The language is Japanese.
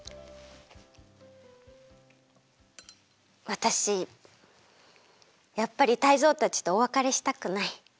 わたしやっぱりタイゾウたちとおわかれしたくない。